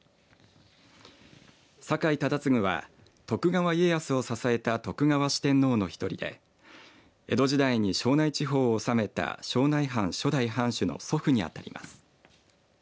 酒井忠次は徳川家康を支えた徳川四天王の１人で江戸時代に庄内地方を治めた庄内藩初代藩主の祖父に当たります。